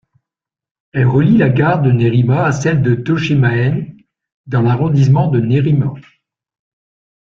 Elle relie la gare de Nerima à celle de Toshimaen dans l'arrondissement de Nerima.